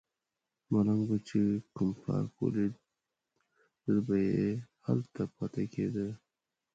ملنګ به چې کوم پارک ولیده زړه به یې هلته پاتې کیده.